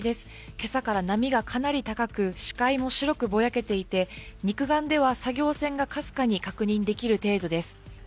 今朝から波がかなり高く視界も白くぼやけていて肉眼では作業船がかすかに確認できる程度です。